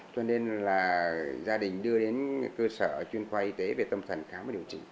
cho nên là gia đình đưa đến cơ sở chuyên khoa y tế về tâm thần khám và điều trị